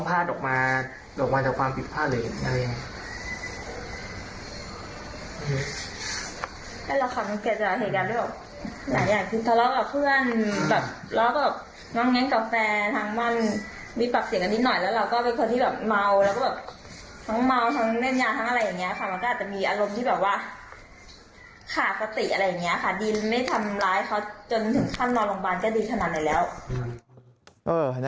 ผมผมไม่มีความแซ่แม่ดีกว่าค่ะไม่ง่าย